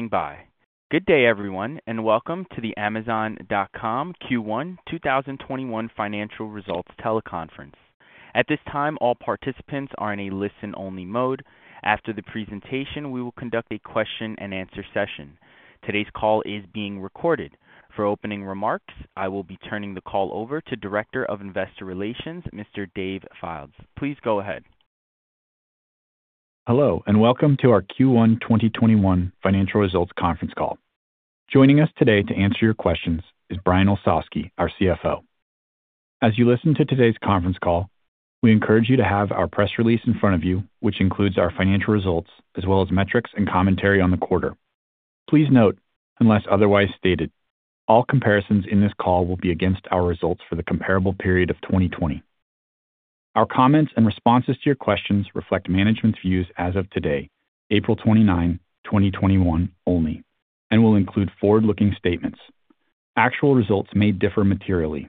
Standing by. Good day, everyone, and welcome to the Amazon.com Q1 2021 financial results teleconference. At this time, all participants are in a listen-only mode. After the presentation, we will conduct a question-and-answer session. Today's call is being recorded. For opening remarks, I will be turning the call over to Director of Investor Relations, Mr. Dave Fildes. Please go ahead. Hello, welcome to our Q1 2021 financial results conference call. Joining us today to answer your questions is Brian Olsavsky, our CFO. As you listen to today's conference call, we encourage you to have our press release in front of you, which includes our financial results as well as metrics and commentary on the quarter. Please note, unless otherwise stated, all comparisons in this call will be against our results for the comparable period of 2020. Our comments and responses to your questions reflect management's views as of today, April 29, 2021, only, and will include forward-looking statements. Actual results may differ materially.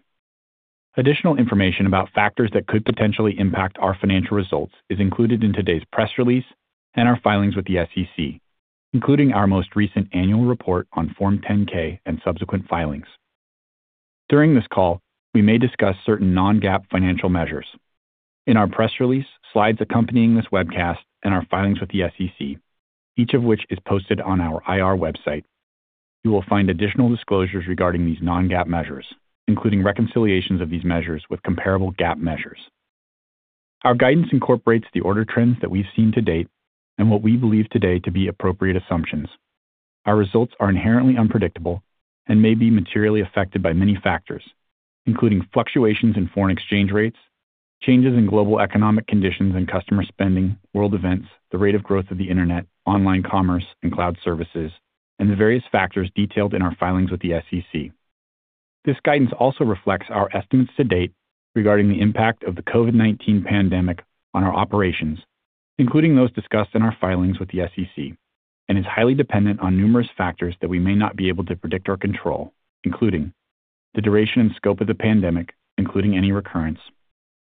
Additional information about factors that could potentially impact our financial results is included in today's press release and our filings with the SEC, including our most recent annual report on Form 10-K and subsequent filings. During this call, we may discuss certain non-GAAP financial measures. In our press release, slides accompanying this webcast, and our filings with the SEC, each of which is posted on our IR website, you will find additional disclosures regarding these non-GAAP measures, including reconciliations of these measures with comparable GAAP measures. Our guidance incorporates the order trends that we've seen to date and what we believe today to be appropriate assumptions. Our results are inherently unpredictable and may be materially affected by many factors, including fluctuations in foreign exchange rates, changes in global economic conditions and customer spending, world events, the rate of growth of the internet, online commerce, and cloud services, and the various factors detailed in our filings with the SEC. This guidance also reflects our estimates to date regarding the impact of the COVID-19 pandemic on our operations, including those discussed in our filings with the SEC, and is highly dependent on numerous factors that we may not be able to predict or control, including the duration and scope of the pandemic, including any recurrence,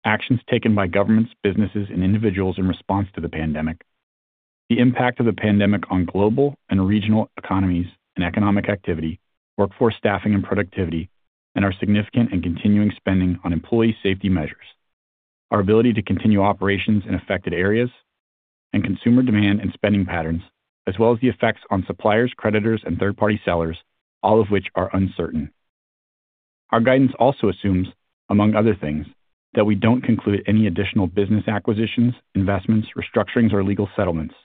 actions taken by governments, businesses, and individuals in response to the pandemic, the impact of the pandemic on global and regional economies and economic activity, workforce staffing and productivity, and our significant and continuing spending on employee safety measures, our ability to continue operations in affected areas, and consumer demand and spending patterns, as well as the effects on suppliers, creditors, and Third-Party Sellers, all of which are uncertain. Our guidance also assumes, among other things, that we don't conclude any additional business acquisitions, investments, restructurings, or legal settlements.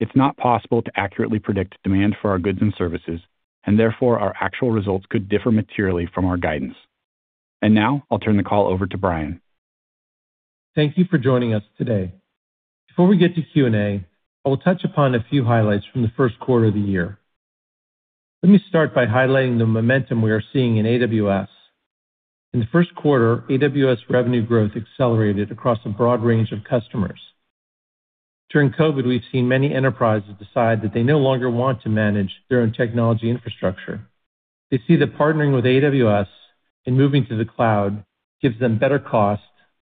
It's not possible to accurately predict demand for our goods and services, and therefore, our actual results could differ materially from our guidance. Now, I'll turn the call over to Brian. Thank you for joining us today. Before we get to Q&A, I will touch upon a few highlights from the first quarter of the year. Let me start by highlighting the momentum we are seeing in AWS. In the first quarter, AWS revenue growth accelerated across a broad range of customers. During COVID-19, we've seen many enterprises decide that they no longer want to manage their own technology infrastructure. They see that partnering with AWS and moving to the cloud gives them better cost,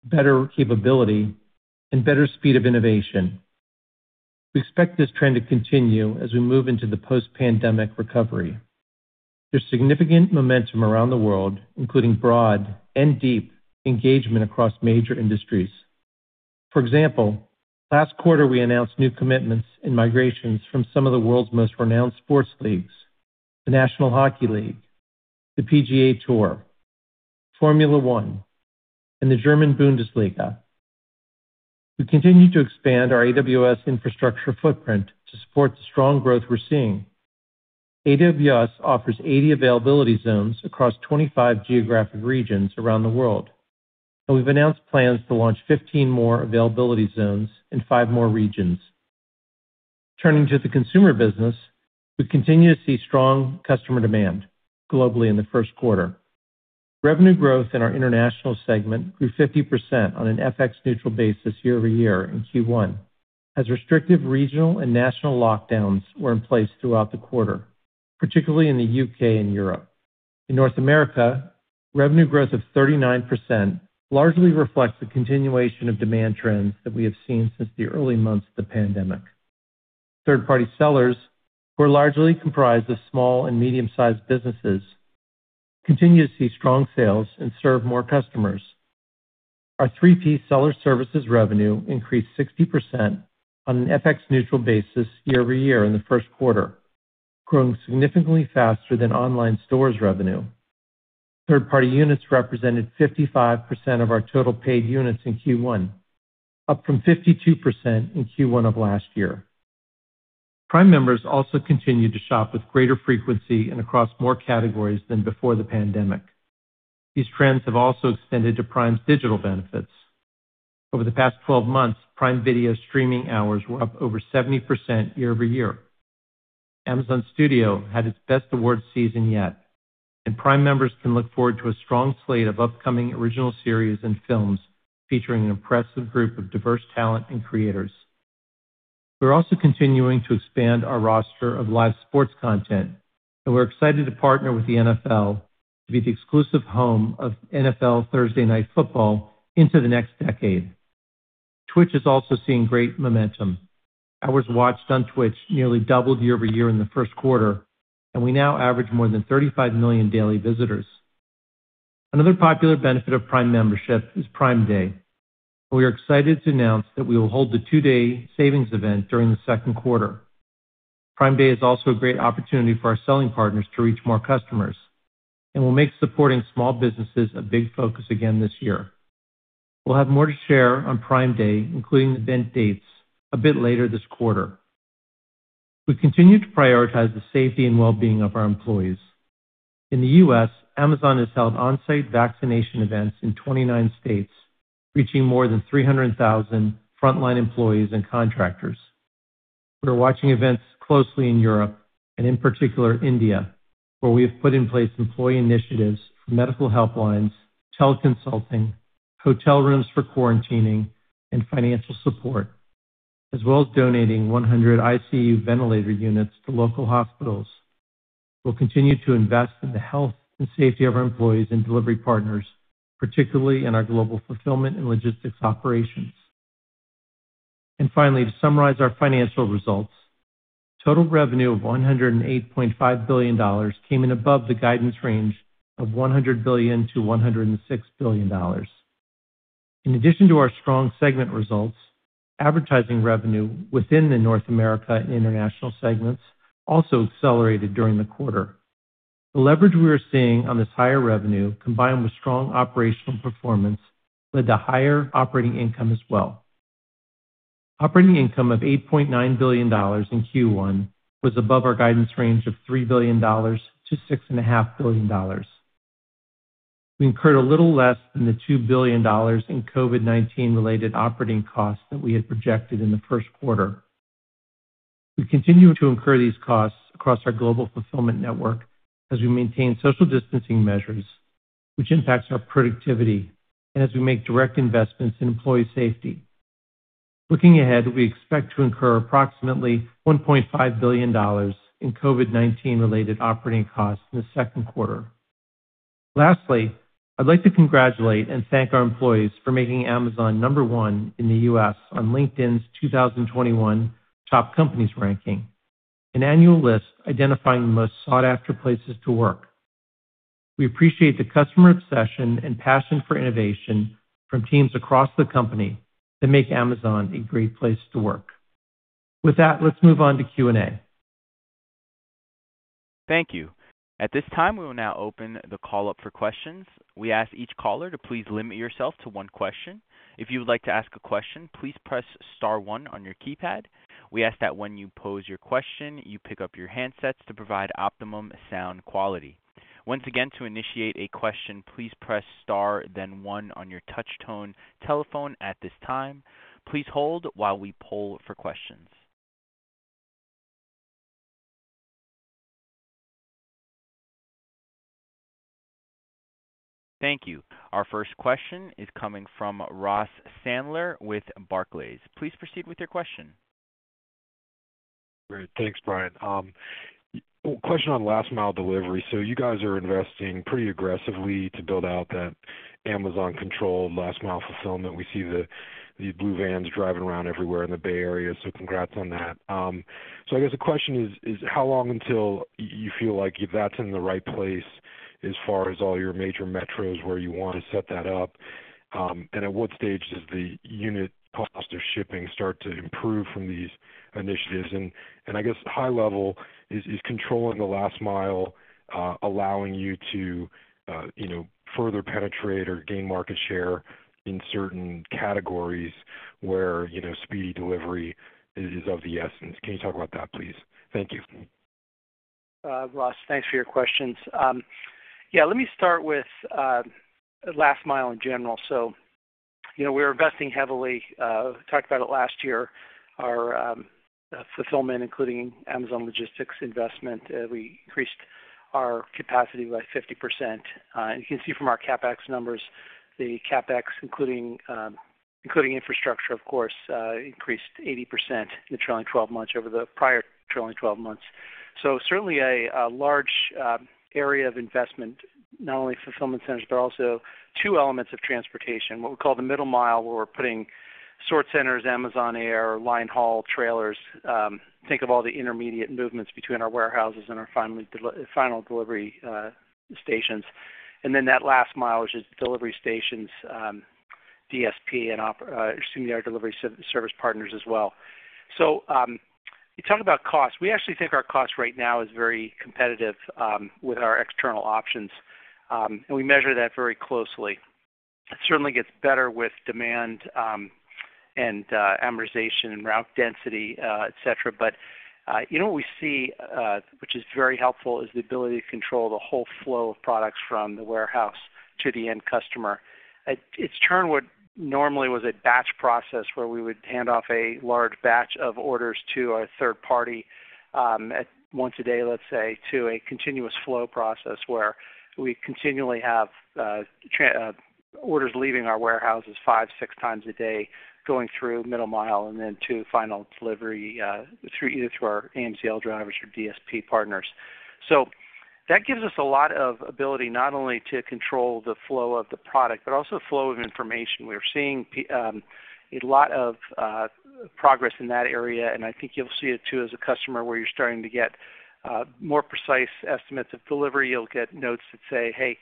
better capability, and better speed of innovation. We expect this trend to continue as we move into the post-pandemic recovery. There's significant momentum around the world, including broad and deep engagement across major industries. For example, last quarter, we announced new commitments and migrations from some of the world's most renowned sports leagues, the National Hockey League, the PGA TOUR, Formula One, and the Bundesliga. We continue to expand our AWS infrastructure footprint to support the strong growth we're seeing. AWS offers 80 Availability Zones across 25 geographic regions around the world, and we've announced plans to launch 15 more Availability Zones in five more regions. Turning to the consumer business, we continue to see strong customer demand globally in the first quarter. Revenue growth in our international segment grew 50% on an FX-neutral basis year-over-year in Q1, as restrictive regional and national lockdowns were in place throughout the quarter, particularly in the U.K. and Europe. In North America, revenue growth of 39% largely reflects the continuation of demand trends that we have seen since the early months of the pandemic. Third-Party Sellers, who are largely comprised of small and medium-sized businesses, continue to see strong sales and serve more customers. Our 3P Seller Services revenue increased 60% on an FX-neutral basis year-over-year in the first quarter, growing significantly faster than online stores revenue. Third-party units represented 55% of our total paid units in Q1, up from 52% in Q1 of last year. Prime members also continued to shop with greater frequency and across more categories than before the pandemic. These trends have also extended to Prime's digital benefits. Over the past 12 months, Prime Video streaming hours were up over 70% year-over-year. Amazon Studios had its best awards season yet, and Prime members can look forward to a strong slate of upcoming original series and films featuring an impressive group of diverse talent and creators. We're also continuing to expand our roster of live sports content, and we're excited to partner with the NFL to be the exclusive home of NFL Thursday Night Football into the next decade. Twitch is also seeing great momentum. Hours watched on Twitch nearly doubled year-over-year in the first quarter. We now average more than 35 million daily visitors. Another popular benefit of Prime membership is Prime Day. We are excited to announce that we will hold the two-day savings event during the second quarter. Prime Day is also a great opportunity for our selling partners to reach more customers. We'll make supporting small businesses a big focus again this year. We'll have more to share on Prime Day, including event dates a bit later this quarter. We continue to prioritize the safety and wellbeing of our employees. In the U.S., Amazon has held on-site vaccination events in 29 states, reaching more than 300,000 frontline employees and contractors. We're watching events closely in Europe, and in particular India, where we have put in place employee initiatives for medical helplines, teleconsulting, hotel rooms for quarantining, and financial support, as well as donating 100 ICU ventilator units to local hospitals. We'll continue to invest in the health and safety of our employees and delivery partners, particularly in our global fulfillment and logistics operations. Finally, to summarize our financial results, total revenue of $108.5 billion came in above the guidance range of $100 billion-$106 billion. In addition to our strong segment results, advertising revenue within the North America and international segments also accelerated during the quarter. The leverage we are seeing on this higher revenue, combined with strong operational performance, led to higher operating income as well. Operating income of $8.9 billion in Q1 was above our guidance range of $3 billion to $6.5 billion. We incurred a little less than the $2 billion in COVID-19 related operating costs that we had projected in the first quarter. We continue to incur these costs across our global fulfillment network as we maintain social distancing measures, which impacts our productivity, and as we make direct investments in employee safety. Looking ahead, we expect to incur approximately $1.5 billion in COVID-19 related operating costs in the second quarter. Lastly, I'd like to congratulate and thank our employees for making Amazon number one in the U.S. on LinkedIn's 2021 Top Companies ranking, an annual list identifying the most sought-after places to work. We appreciate the customer obsession and passion for innovation from teams across the company that make Amazon a great place to work. With that, let's move on to Q&A. Thank you. At this time, we will now open the call up for questions. We ask each caller to please limit yourself to one question. We ask that when you pose your question, you pick up your handsets to provide optimum sound quality. Thank you. Our first question is coming from Ross Sandler with Barclays. Please proceed with your question. Great. Thanks, Brian. Question on last mile delivery. You guys are investing pretty aggressively to build out that Amazon controlled last mile fulfillment. We see the blue vans driving around everywhere in the Bay Area, so congrats on that. I guess the question is how long until you feel like that's in the right place as far as all your major metros where you want to set that up? At what stage does the unit cost of shipping start to improve from these initiatives? I guess high level, is controlling the last mile allowing you to further penetrate or gain market share in certain categories where speedy delivery is of the essence? Can you talk about that, please? Thank you. Ross, thanks for your questions. Let me start with last mile in general. We're investing heavily. Talked about it last year. Our fulfillment, including Amazon Logistics investment, we increased our capacity by 50%. You can see from our CapEx numbers, the CapEx, including infrastructure, of course, increased 80% in the trailing 12 months over the prior trailing 12 months. Certainly a large area of investment, not only fulfillment centers, but also two elements of transportation, what we call the middle mile, where we're putting sort centers, Amazon Air, line haul, trailers. Think of all the intermediate movements between our warehouses and our final delivery stations. That last mile, which is delivery stations, DSP, and assuming our Delivery Service Partners as well. You talk about cost. We actually think our cost right now is very competitive with our external options, and we measure that very closely. It certainly gets better with demand, and amortization, and route density, et cetera. What we see, which is very helpful, is the ability to control the whole flow of products from the warehouse to the end customer. It's turned what normally was a batch process, where we would hand off a large batch of orders to a third party once a day, let's say, to a continuous flow process where we continually have orders leaving our warehouses five, six times a day, going through middle mile and then to final delivery either through our AMZL drivers or DSP partners. That gives us a lot of ability, not only to control the flow of the product, but also flow of information. We're seeing a lot of progress in that area, and I think you'll see it too, as a customer, where you're starting to get more precise estimates of delivery. You'll get notes that say, "Hey,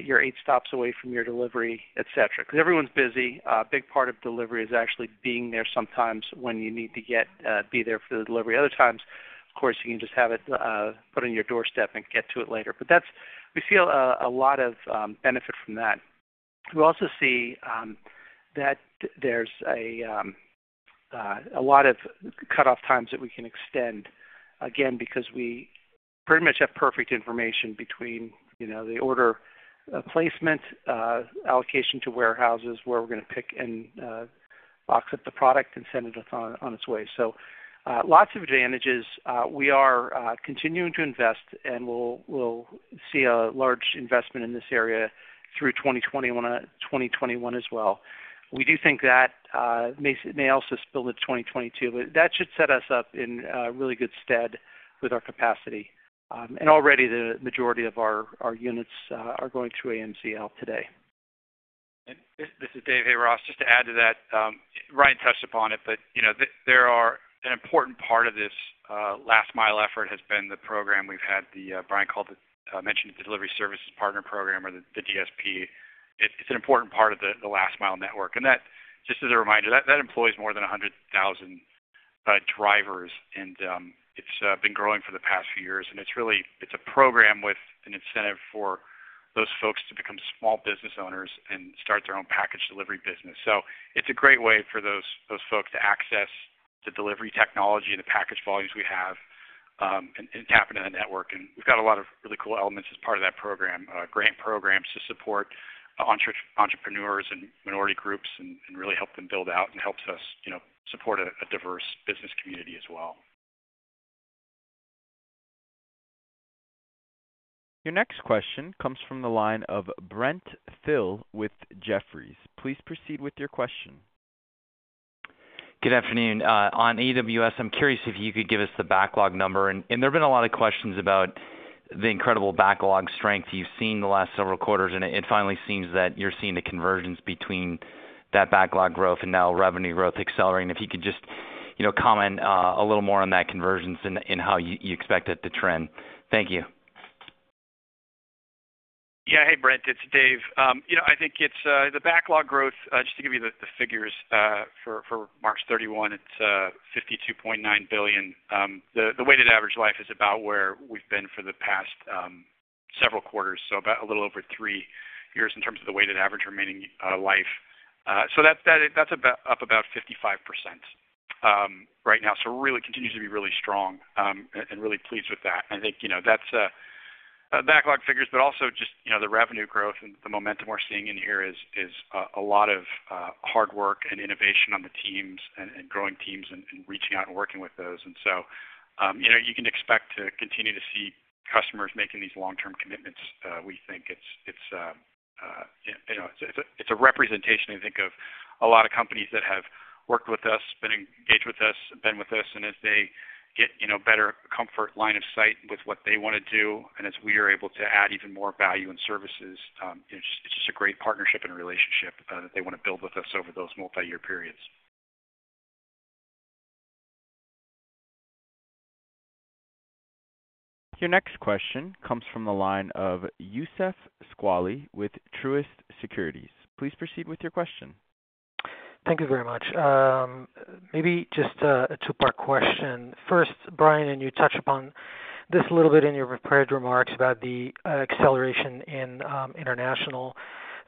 you're eight stops away from your delivery," et cetera. Everyone's busy. A big part of delivery is actually being there sometimes when you need to be there for the delivery. Other times, of course, you can just have it put on your doorstep and get to it later. We feel a lot of benefit from that. We also see that there's a lot of cutoff times that we can extend, again, because we pretty much have perfect information between the order placement, allocation to warehouses, where we're going to pick and box up the product and send it on its way. Lots of advantages. We are continuing to invest, and we'll see a large investment in this area through 2021 as well. We do think that may also spill into 2022, but that should set us up in really good stead with our capacity. Already the majority of our units are going through AMZL today. This is Dave Fildes. Just to add to that, Brian Olsavsky touched upon it. An important part of this last mile effort has been the program we've had. Brian Olsavsky mentioned the Delivery Service Partner program or the DSP. It's an important part of the last mile network. Just as a reminder, that employs more than 100,000 drivers, and it's been growing for the past few years, and it's a program with an incentive for those folks to become small business owners and start their own package delivery business. It's a great way for those folks to access the delivery technology and the package volumes we have, and tap into the network. We've got a lot of really cool elements as part of that program. Grant programs to support entrepreneurs and minority groups and really help them build out and helps us support a diverse business community as well. Your next question comes from the line of Brent Thill with Jefferies. Please proceed with your question. Good afternoon. On AWS, I'm curious if you could give us the backlog number. There've been a lot of questions about the incredible backlog strength you've seen the last several quarters, and it finally seems that you're seeing the convergence between that backlog growth and now revenue growth accelerating. If you could just comment a little more on that convergence and how you expect it to trend. Thank you. Hey, Brent, it's Dave. I think the backlog growth, just to give you the figures, for March 31, it's $52.9 billion. The weighted average life is about where we've been for the past several quarters, so about a little over three years in terms of the weighted average remaining life. That's up about 55% right now. Really continues to be really strong, and really pleased with that. I think that's backlog figures, also just the revenue growth and the momentum we're seeing in here is a lot of hard work and innovation on the teams and growing teams and reaching out and working with those. You can expect to continue to see customers making these long-term commitments. We think it's a representation, I think, of a lot of companies that have worked with us, been engaged with us, been with us, and as they get better comfort line of sight with what they want to do and as we are able to add even more value and services, it's just a great partnership and relationship that they want to build with us over those multi-year periods. Your next question comes from the line of Youssef Squali with Truist Securities. Please proceed with your question. Thank you very much. Maybe just a two-part question. First, Brian, you touched upon this a little bit in your prepared remarks about the acceleration in international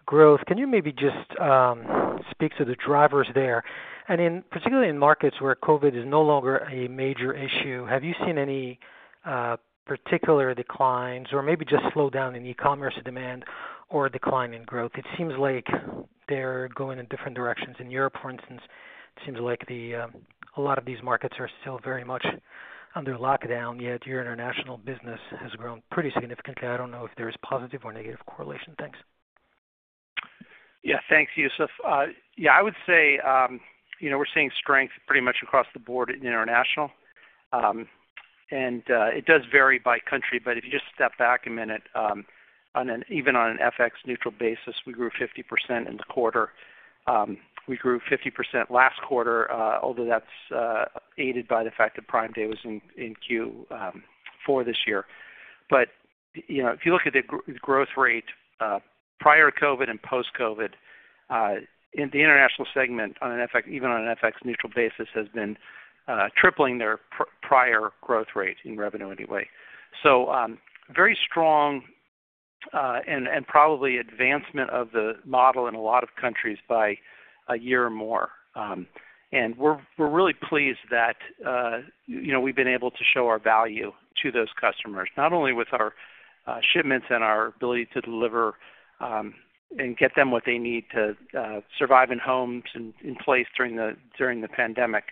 growth. Can you maybe just speak to the drivers there? Particularly in markets where COVID-19 is no longer a major issue, have you seen any particular declines or maybe just slowdown in e-commerce demand or a decline in growth? It seems like they're going in different directions. In Europe, for instance, it seems like a lot of these markets are still very much under lockdown, yet your international business has grown pretty significantly. I don't know if there is positive or negative correlation. Thanks. Yeah. Thanks, Youssef. Yeah, I would say, we're seeing strength pretty much across the board in international. It does vary by country, but if you just step back a minute, even on an FX-neutral basis, we grew 50% in the quarter. We grew 50% last quarter, although that's aided by the fact that Prime Day was in Q4 this year. If you look at the growth rate prior COVID-19 and post-COVID-19, the international segment, even on an FX-neutral basis, has been tripling their prior growth rate, in revenue anyway. Very strong, and probably advancement of the model in a lot of countries by a year or more. We're really pleased that we've been able to show our value to those customers, not only with our shipments and our ability to deliver, and get them what they need to survive in homes and in place during the pandemic,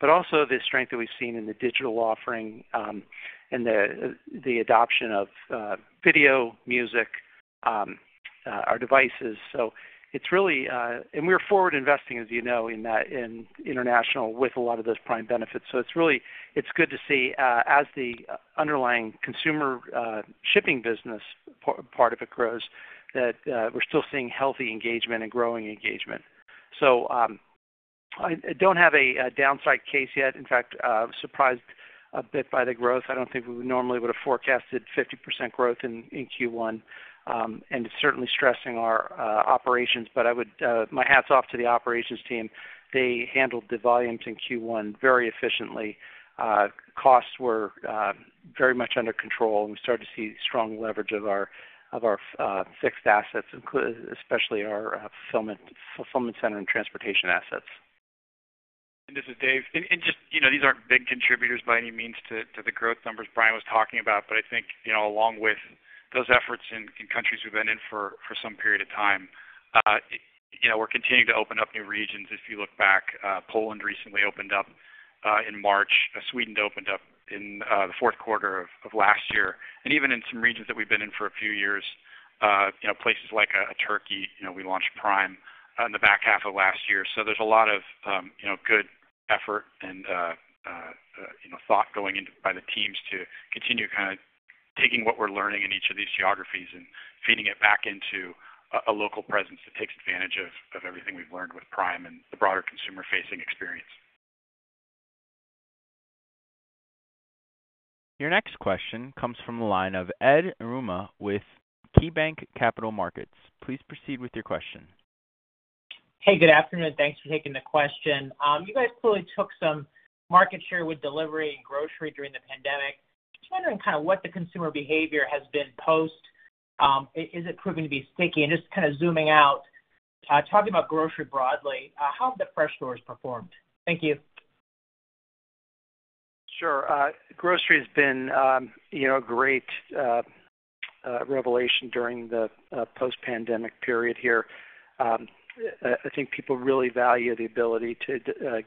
but also the strength that we've seen in the digital offering, and the adoption of video, music, our devices. We're forward investing, as you know, in international with a lot of those Prime benefits. It's good to see, as the underlying consumer shipping business part of it grows, that we're still seeing healthy engagement and growing engagement. I don't have a downside case yet. In fact, surprised a bit by the growth. I don't think we normally would've forecasted 50% growth in Q1. It's certainly stressing our operations, but my hat's off to the operations team. They handled the volumes in Q1 very efficiently. Costs were very much under control, and we started to see strong leverage of our fixed assets, especially our fulfillment center and transportation assets. This is Dave. Just, these aren't big contributors by any means to the growth numbers Brian was talking about. I think, along with those efforts in countries we've been in for some period of time, we're continuing to open up new regions. If you look back, Poland recently opened up, in March. Sweden opened up in the fourth quarter of last year. Even in some regions that we've been in for a few years, places like Turkey, we launched Prime in the back half of last year. There's a lot of good effort and thought going into by the teams to continue kind of taking what we're learning in each of these geographies and feeding it back into a local presence that takes advantage of everything we've learned with Prime and the broader consumer-facing experience. Your next question comes from the line of Edward Yruma with KeyBanc Capital Markets. Please proceed with your question. Hey, good afternoon. Thanks for taking the question. You guys clearly took some market share with delivery and grocery during the pandemic. Just wondering kind of what the consumer behavior has been post. Is it proving to be sticky? Just zooming out, talking about grocery broadly, how have the Fresh stores performed? Thank you. Sure. Grocery has been a great revelation during the post-pandemic period here. I think people really value the ability to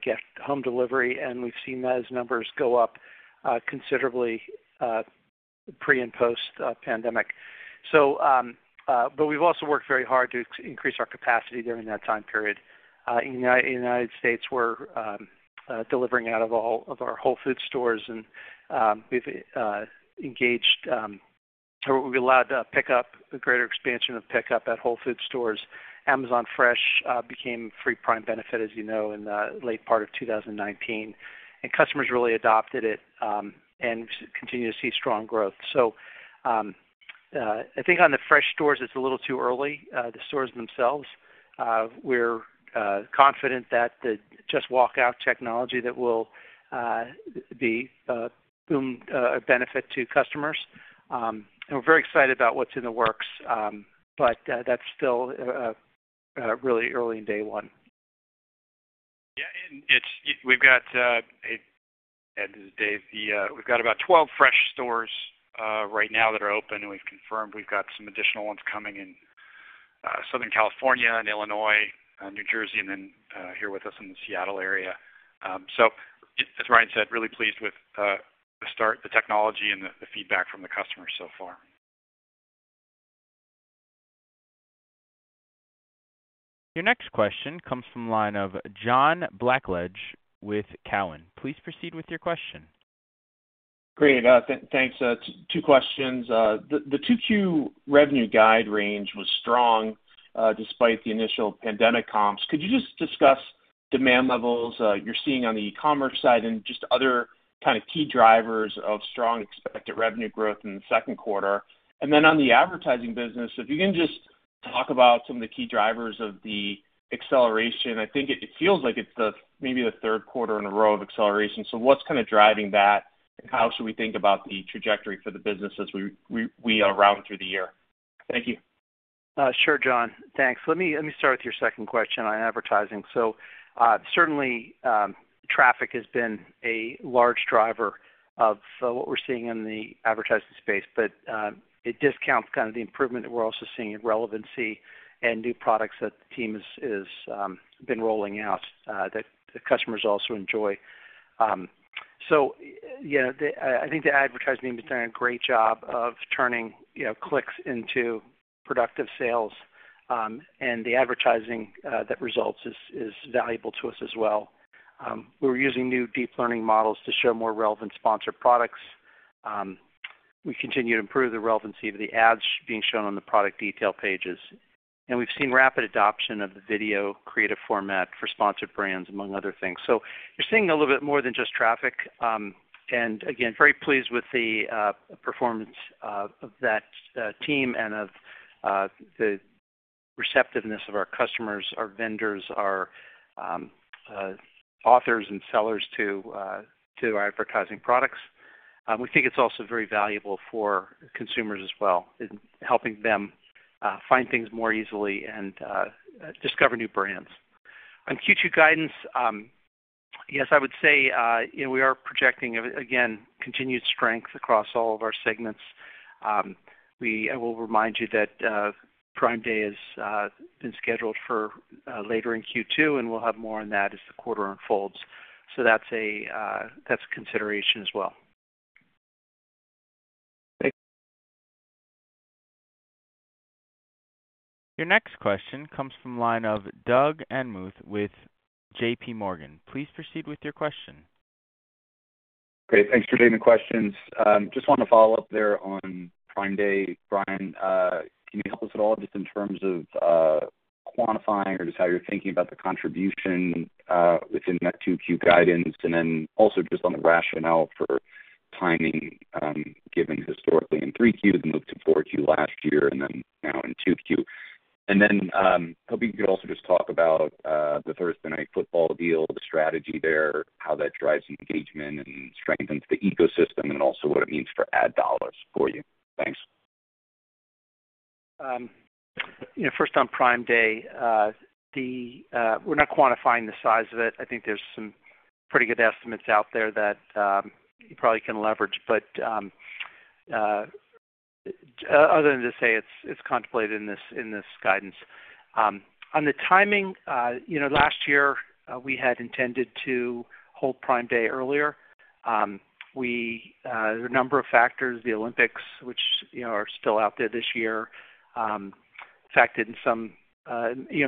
get home delivery, and we've seen those numbers go up considerably pre- and post-pandemic. We've also worked very hard to increase our capacity during that time period. In United States, we're delivering out of our Whole Foods stores, we allowed pickup, a greater expansion of pickup at Whole Foods stores. Amazon Fresh became a free Prime benefit, as you know, in the late part of 2019. Customers really adopted it, and we continue to see strong growth. I think on the Fresh stores, it's a little too early, the stores themselves. We're confident that the Just Walk Out technology will be a benefit to customers. We're very excited about what's in the works, but that's still really early in day one. Ed, this is Dave. We've got about 12 Fresh stores right now that are open, and we've confirmed we've got some additional ones coming in Southern California and Illinois, New Jersey, and then here with us in the Seattle area. As Brian said, really pleased with the start, the technology, and the feedback from the customers so far. Your next question comes from the line of John Blackledge with Cowen. Please proceed with your question. Great. Thanks. Two questions. The 2Q revenue guide range was strong, despite the initial pandemic comps. Could you just discuss demand levels you're seeing on the e-commerce side and just other kind of key drivers of strong expected revenue growth in the second quarter? On the advertising business, if you can just talk about some of the key drivers of the acceleration. I think it feels like it's maybe the third quarter in a row of acceleration. What's kind of driving that, and how should we think about the trajectory for the business as we round through the year? Thank you. Sure, John. Thanks. Let me start with your second question on advertising. Certainly, traffic has been a large driver of what we're seeing in the advertising space. It discounts kind of the improvement that we're also seeing in relevancy and new products that the team has been rolling out, that the customers also enjoy. I think the advertising team has been doing a great job of turning clicks into productive sales, and the advertising that results is valuable to us as well. We're using new deep learning models to show more relevant Sponsored Products. We continue to improve the relevancy of the ads being shown on the product detail pages. We've seen rapid adoption of the video creative format for Sponsored Brands, among other things. You're seeing a little bit more than just traffic. Again, very pleased with the performance of that team and of the receptiveness of our customers, our vendors, our authors, and sellers to our advertising products. We think it's also very valuable for consumers as well in helping them find things more easily and discover new brands. On Q2 guidance, yes, I would say, we are projecting, again, continued strength across all of our segments. I will remind you that Prime Day has been scheduled for later in Q2, and we'll have more on that as the quarter unfolds. That's a consideration as well. Your next question comes from line of Doug Anmuth with JPMorgan. Please proceed with your question. Great. Thanks for taking the questions. Just want to follow up there on Prime Day. Brian, can you help us at all just in terms of quantifying or just how you're thinking about the contribution within that 2Q guidance? Also just on the rationale for timing, given historically in 3Q, the move to 4Q last year and then now in 2Q. Hoping you could also just talk about the Thursday Night Football deal, the strategy there, how that drives engagement and strengthens the ecosystem, and also what it means for ad dollars for you. Thanks. First on Prime Day, we're not quantifying the size of it. I think there's some pretty good estimates out there that you probably can leverage. Other than to say it's contemplated in this guidance. On the timing, last year, we had intended to hold Prime Day earlier. There were a number of factors, the Olympics, which are still out there this year. In fact, in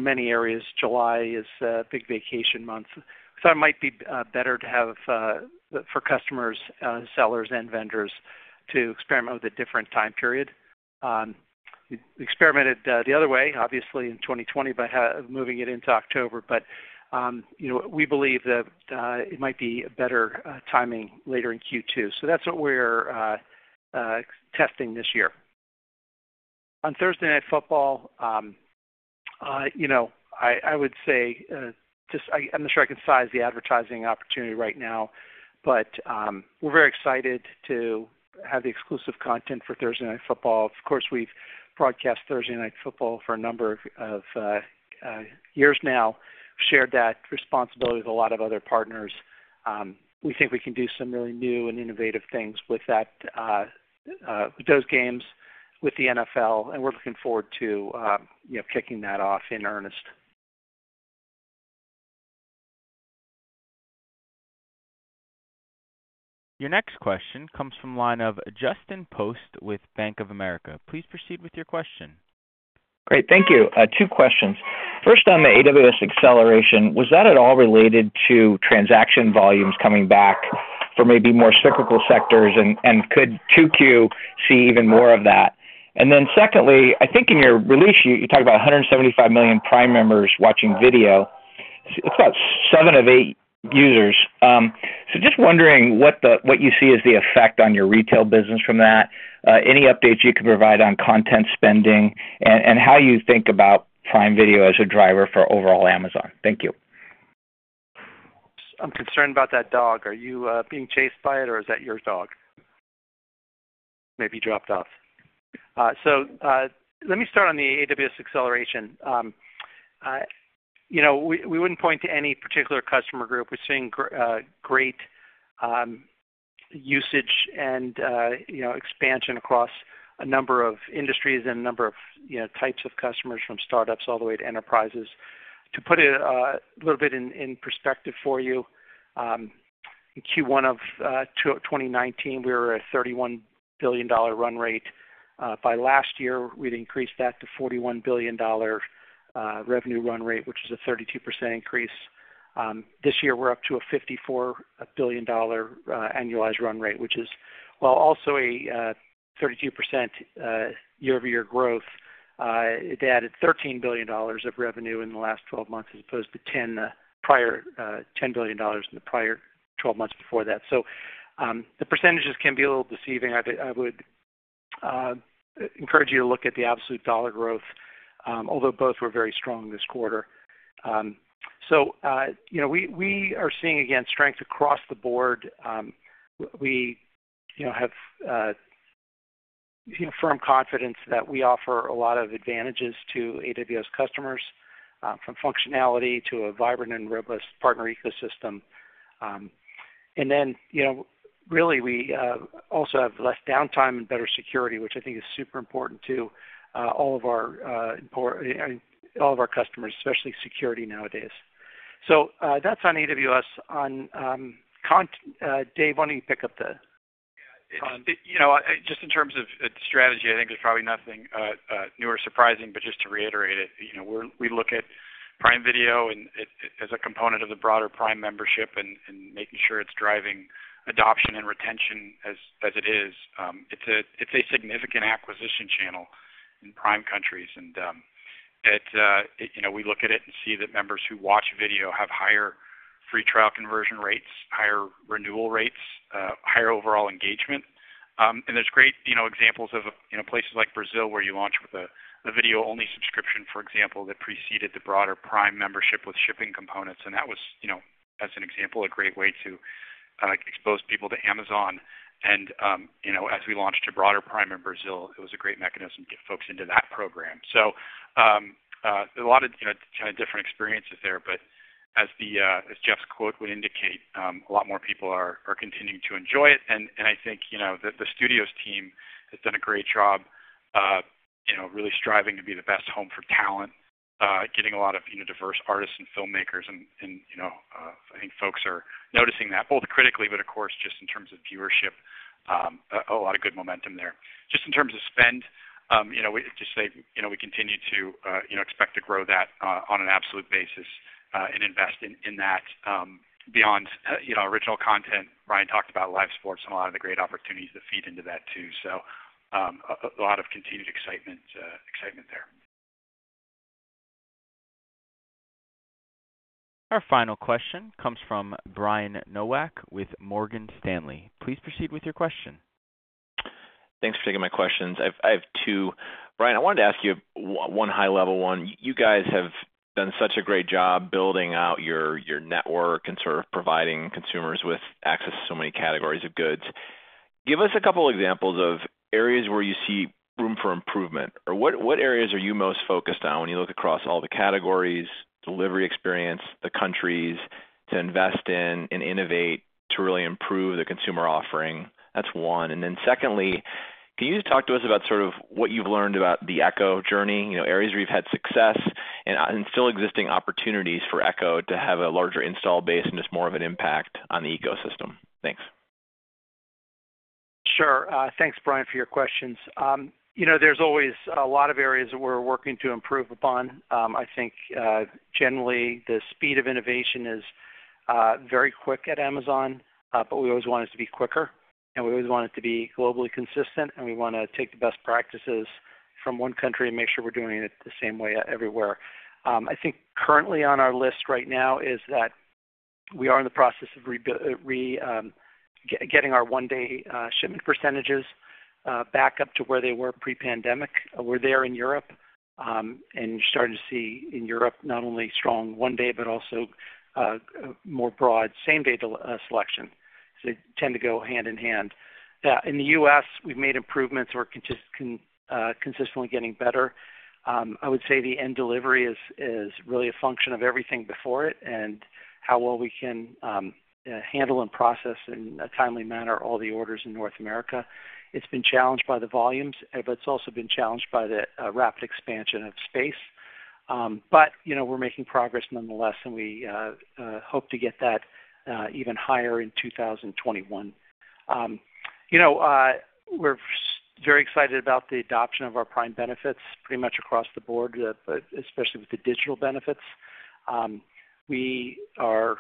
many areas, July is a big vacation month. It might be better for customers, sellers, and vendors to experiment with a different time period. We experimented the other way, obviously, in 2020 by moving it into October. We believe that it might be a better timing later in Q2. That's what we're testing this year. On Thursday Night Football, I would say, I'm not sure I can size the advertising opportunity right now. We're very excited to have the exclusive content for Thursday Night Football. Of course, we've broadcast Thursday Night Football for a number of years now, shared that responsibility with a lot of other partners. We think we can do some really new and innovative things with those games with the NFL, and we're looking forward to kicking that off in earnest. Your next question comes from line of Justin Post with Bank of America. Please proceed with your question. Great, thank you. Two questions. First, on the AWS acceleration, was that at all related to transaction volumes coming back for maybe more cyclical sectors, and could 2Q see even more of that? Secondly, I think in your release you talked about 175 million Prime members watching video. It's about seven of eight users. Just wondering what you see as the effect on your retail business from that. Any updates you can provide on content spending, and how you think about Prime Video as a driver for overall Amazon? Thank you. I'm concerned about that dog. Are you being chased by it or is that your dog? Maybe dropped off. Let me start on the AWS acceleration. We wouldn't point to any particular customer group. We're seeing great usage and expansion across a number of industries and a number of types of customers, from startups all the way to enterprises. To put it a little bit in perspective for you, in Q1 of 2019, we were a $31 billion run rate. By last year, we'd increased that to $41 billion revenue run rate, which is a 32% increase. This year, we're up to a $54 billion annualized run rate, which is while also a 32% year-over-year growth. It added $13 billion of revenue in the last 12 months, as opposed to $10 billion in the prior 12 months before that. The percentages can be a little deceiving. I would encourage you to look at the absolute dollar growth, although both were very strong this quarter. We are seeing, again, strength across the board. We have firm confidence that we offer a lot of advantages to AWS customers, from functionality to a vibrant and robust partner ecosystem. Really, we also have less downtime and better security, which I think is super important to all of our customers, especially security nowadays. That's on AWS. Dave, why don't you pick up the Prime? Just in terms of strategy, I think there's probably nothing new or surprising, but just to reiterate it. We look at Prime Video as a component of the broader Prime membership and making sure it's driving adoption and retention as it is. It's a significant acquisition channel in Prime countries. We look at it and see that members who watch video have higher free trial conversion rates, higher renewal rates, higher overall engagement. There's great examples of places like Brazil where you launch with a video-only subscription, for example, that preceded the broader Prime membership with shipping components. That was, as an example, a great way to expose people to Amazon. As we launched a broader Prime in Brazil, it was a great mechanism to get folks into that program. A lot of different experiences there. As Jeff's quote would indicate, a lot more people are continuing to enjoy it. I think the Amazon Studios team has done a great job. Really striving to be the best home for talent, getting a lot of diverse artists and filmmakers. I think folks are noticing that both critically, but of course, just in terms of viewership, a lot of good momentum there. Just in terms of spend, we continue to expect to grow that on an absolute basis and invest in that. Beyond original content, Brian talked about live sports and a lot of the great opportunities that feed into that too. A lot of continued excitement there. Our final question comes from Brian Nowak with Morgan Stanley. Please proceed with your question. Thanks for taking my questions. I have two. Brian, I wanted to ask you one high-level one. You guys have done such a great job building out your network and providing consumers with access to so many categories of goods. Give us a couple examples of areas where you see room for improvement, or what areas are you most focused on when you look across all the categories, delivery experience, the countries to invest in and innovate to really improve the consumer offering? That's one. Secondly, can you talk to us about what you've learned about the Echo journey? Areas where you've had success and still existing opportunities for Echo to have a larger install base and just more of an impact on the ecosystem. Thanks. Sure. Thanks, Brian, for your questions. There's always a lot of areas that we're working to improve upon. I think, generally, the speed of innovation is very quick at Amazon, but we always want it to be quicker, and we always want it to be globally consistent, and we want to take the best practices from one country and make sure we're doing it the same way everywhere. I think currently on our list right now is that we are in the process of getting our one-day shipment percentages back up to where they were pre-pandemic. We're there in Europe, and you're starting to see in Europe not only strong one-day but also more broad same-day selection. They tend to go hand-in-hand. In the U.S., we've made improvements. We're consistently getting better. I would say the end delivery is really a function of everything before it and how well we can handle and process in a timely manner all the orders in North America. It's been challenged by the volumes, it's also been challenged by the rapid expansion of space. We're making progress nonetheless, and we hope to get that even higher in 2021. We're very excited about the adoption of our Prime benefits pretty much across the board, but especially with the digital benefits. We are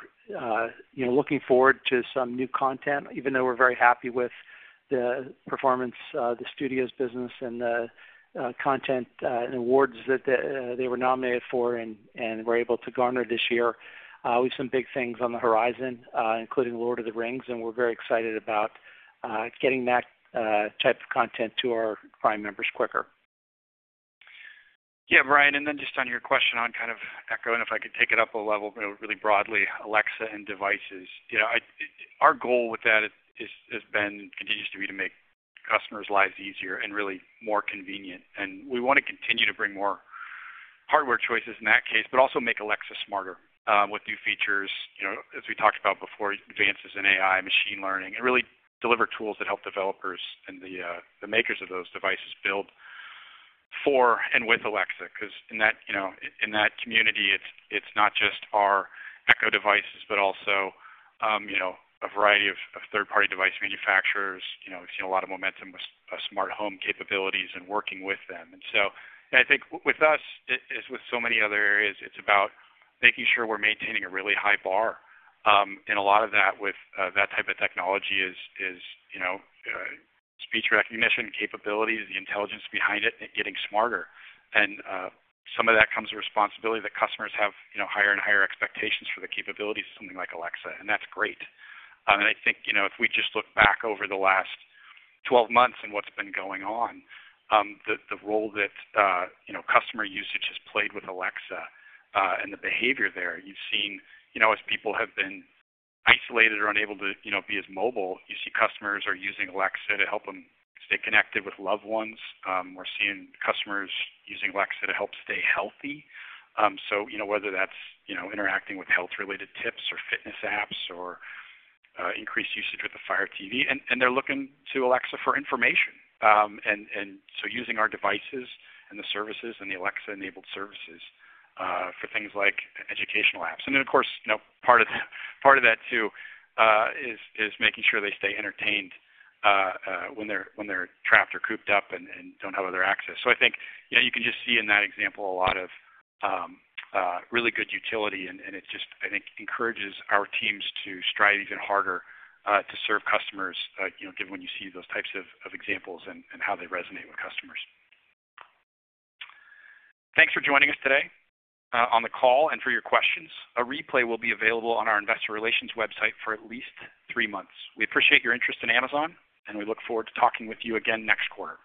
looking forward to some new content, even though we're very happy with the performance of the studio's business and the content and awards that they were nominated for and were able to garner this year. We have some big things on the horizon, including "Lord of the Rings," and we're very excited about getting that type of content to our Prime members quicker. Yeah, Brian, then just on your question on Echo, and if I could take it up a level really broadly, Alexa and devices. Our goal with that has been, and continues to be, to make customers' lives easier and really more convenient. We want to continue to bring more hardware choices in that case, but also make Alexa smarter with new features. As we talked about before, advances in AI, machine learning, and really deliver tools that help developers and the makers of those devices build for and with Alexa. In that community, it's not just our Echo devices, but also a variety of third-party device manufacturers. We've seen a lot of momentum with smart home capabilities and working with them. I think with us, as with so many other areas, it's about making sure we're maintaining a really high bar. A lot of that with that type of technology is speech recognition capabilities, the intelligence behind it, and it getting smarter. Some of that comes with responsibility that customers have higher and higher expectations for the capabilities of something like Alexa, and that's great. I think if we just look back over the last 12 months and what's been going on, the role that customer usage has played with Alexa, and the behavior there. As people have been isolated or unable to be as mobile, you see customers are using Alexa to help them stay connected with loved ones. We're seeing customers using Alexa to help stay healthy. Whether that's interacting with health-related tips or fitness apps or increased usage with the Fire TV. They're looking to Alexa for information. Using our devices and the services and the Alexa-enabled services for things like educational apps. Of course, part of that too is making sure they stay entertained when they're trapped or cooped up and don't have other access. I think you can just see in that example a lot of really good utility, and it just, I think, encourages our teams to strive even harder to serve customers, given when you see those types of examples and how they resonate with customers. Thanks for joining us today on the call and for your questions. A replay will be available on our investor relations website for at least three months. We appreciate your interest in Amazon, and we look forward to talking with you again next quarter.